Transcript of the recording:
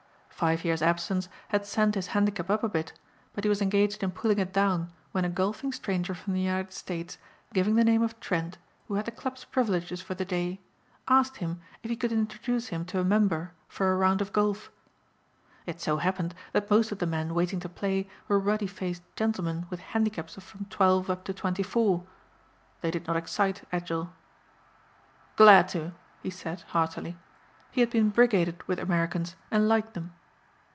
Five years absence had sent his handicap up a bit but he was engaged in pulling it down when a golfing stranger from the United States giving the name of Trent who had the club's privileges for the day asked him if he could introduce him to a member for a round of golf. It so happened that most of the men waiting to play were ruddy faced gentlemen with handicaps of from twelve up to twenty four. They did not excite Edgell. "Glad to," he said heartily. He had been brigaded with Americans and liked them.